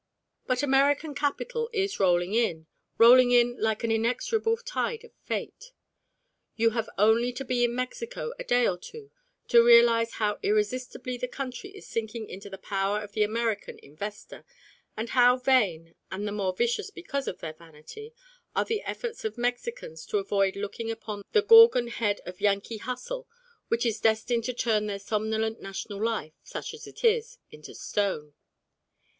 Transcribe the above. But American capital is rolling in, rolling in like an inexorable tide of Fate. You have only to be in Mexico a day or two to realise how irresistibly the country is sinking into the power of the American investor, and how vain and the more vicious because of their vanity are the efforts of Mexicans to avoid looking upon the Gorgon head of Yankee hustle which is destined to turn their somnolent national life, such as it is, into stone.